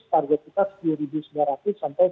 target kita sepuluh ribu sembilan ratus sampai sembilan ribu